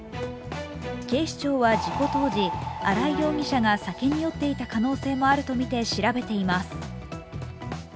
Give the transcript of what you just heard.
警視庁は事故当時、荒井容疑者が酒に酔っていた可能性もあるとみて調べています。